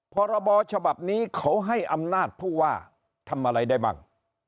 พรบฉบับนี้เขาให้อำนาจผู้ว่าทำอะไรได้มั่ง